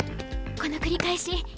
この繰り返し。